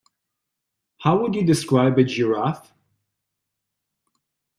How would you describe a giraffe?